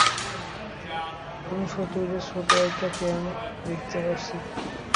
আমি শত্রুদের ছোট্ট একটা ক্যাম্প দেখতে পারছি।